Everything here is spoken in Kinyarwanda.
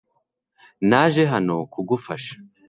Naje hano kugufasha .